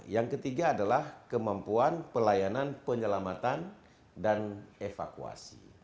yang ketiga adalah kemampuan pelayanan penyelamatan dan evakuasi